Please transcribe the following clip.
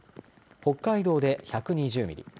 北海道で１２０ミリ